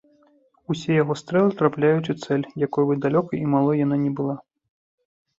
Усе яго стрэлы трапляюць у цэль, якой бы далёкай і малой яна ні была.